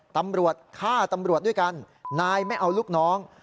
ตำรวจฆ่าตำรวจด้วยกันนายไม่เอาลูกน้อง